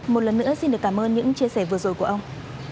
một lần nữa xin được cảm ơn những chia sẻ vừa rồi của ông